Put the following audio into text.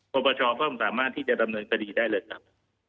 ปปชก็สามารถที่จะดำเนินคดีได้เลยครับ